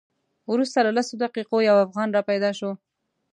وروسته له لسو دقیقو یو افغان را پیدا شو.